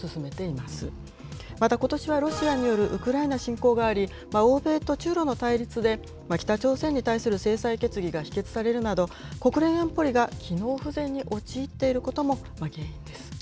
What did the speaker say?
また、ことしはロシアによるウクライナ侵攻があり、欧米と中ロの対立で北朝鮮に対する制裁決議が否決されるなど、国連安保理が機能不全に陥っていることも原因です。